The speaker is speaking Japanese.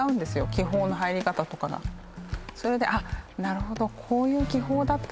気泡の入り方とかがそれで「あっなるほどこういう気泡だったから」